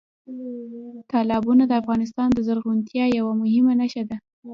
تالابونه د افغانستان د زرغونتیا یوه مهمه نښه ده.